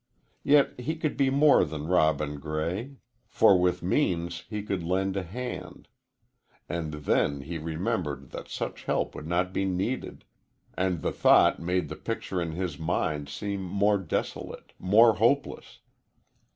Yet he could be more than Robin Gray, for with means he could lend a hand. And then he remembered that such help would not be needed, and the thought made the picture in his mind seem more desolate more hopeless.